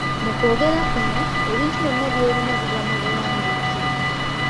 Mu kwogera kuno, ebintu byonna by’olina biba mu buwandiike.